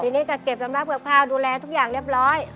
ทีนี้ก็เก็บสำนักเผือกข้าวดูแลทุกอย่างเรียบร้อย